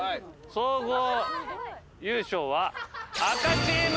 総合優勝は紅チーム。